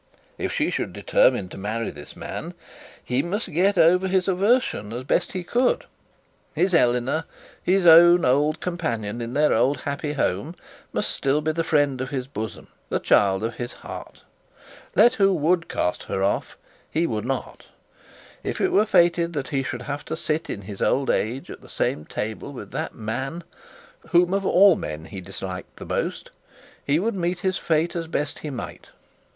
If she should determine to marry this man, he must get over his aversion as best he could. His Eleanor, his own old companion in their old happy home, must still be friend of his bosom, the child of his heart. Let who would cast her off, he would not. If it were fated, that he should have to sit in his old age at the same table with a man whom of all men he disliked the most, he would meet his fate as best he might.